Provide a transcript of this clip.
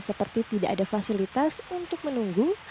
seperti tidak ada fasilitas untuk menunggu